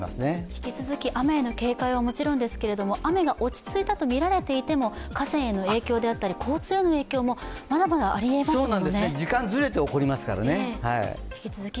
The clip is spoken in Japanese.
引き続き雨への警戒はもちろんですけれども、雨が落ち着いたとみられていても、河川への影響だったり、交通への影響もまだまだありえますよね。